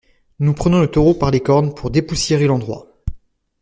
Nous prenons le taureau par les cornes pour dépoussiérer l’endroit.